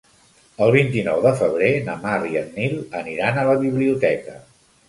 El vint-i-nou de febrer na Mar i en Nil aniran a la biblioteca.